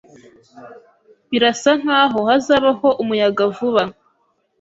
Birasa nkaho hazabaho umuyaga vuba.